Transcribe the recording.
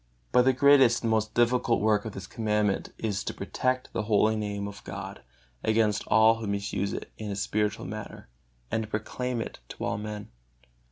But the greatest and most difficult work of this Commandment is to protect the holy Name of God against all who misuse it in a spiritual manner, and to proclaim it to all men.